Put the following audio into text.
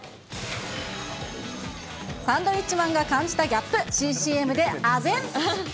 サンドウィッチマンが感じたギャップ、新ＣＭであぜん。